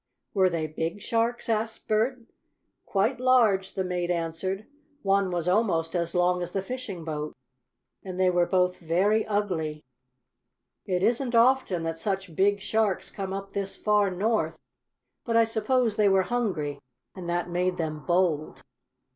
"Were they big sharks?" asked Bert. "Quite large," the mate answered. "One was almost as long as the fishing boat, and they were both very ugly. It isn't often that such big sharks come up this far north, but I suppose they were hungry and that made them bold."